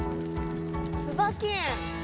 椿園。